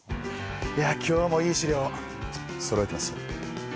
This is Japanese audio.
いや今日もいい資料そろえてますよ。